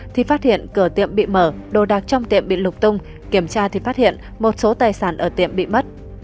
thì phát hiện cửa tiệm bị mở đồ đạc trong tiệm bị lục tung kiểm tra thì phát hiện một số tài sản ở tiệm bị mất